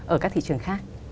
ở các thị trường khác